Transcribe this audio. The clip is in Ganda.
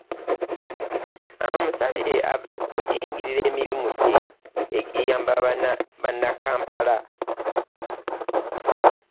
Amusabye ave ku kuyingirira emirimu gye egiyamba bannakampala.